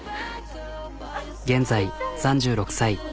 現在３６歳。